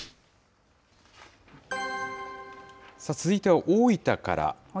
続いては大分から。